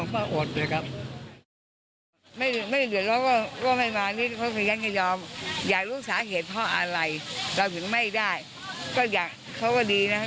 เพราะว่าเขาอะไรเราถึงไม่ได้ก็อยากเขาก็ดีนะ